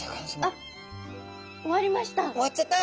あっ終わりました。